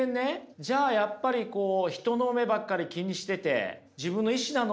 じゃあやっぱり人の目ばっかり気にしてて自分の意志なの？